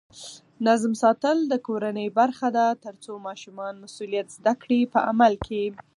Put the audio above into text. نظم ساتل د کورنۍ برخه ده ترڅو ماشومان مسؤلیت زده کړي په عمل کې.